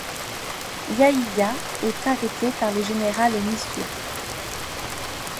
Yahyia est arrêté par le général Misur.